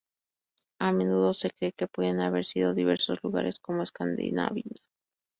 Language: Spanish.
A menudo se cree que pueden haber sido diversos lugares como Escandinavia.